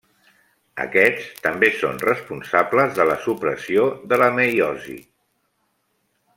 Aquests també són responsables de la supressió de la meiosi.